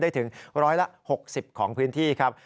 ได้ถึงร้อยละ๖๐ของพื้นที่ครับ